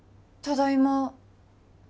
ただいま